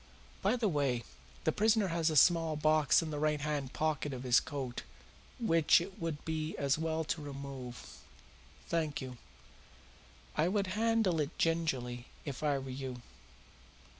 By the way, the prisoner has a small box in the right hand pocket of his coat which it would be as well to remove. Thank you. I would handle it gingerly if I were you.